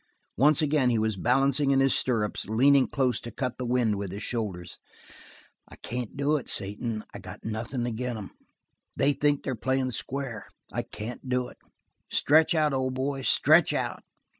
Once again he was balancing in his stirrups, leaning close to cut the wind with his shoulders. "I can't do it, Satan. I got nothin' agin them. They think they're playin' square. I can't do it. Stretch out, old boy. Stretch out!"